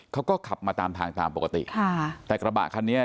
เขาก็ขับมาตามทางตามปกติค่ะแต่กระบะคันนี้